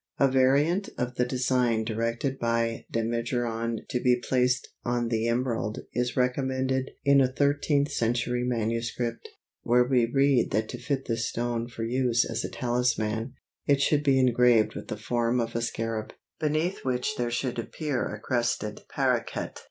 A variant of the design directed by Damigeron to be placed on the emerald is recommended in a thirteenth century manuscript, where we read that to fit this stone for use as a talisman, it should be engraved with the form of a scarab, beneath which there should appear a crested paroquet.